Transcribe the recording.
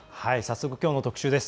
きょうの特集です。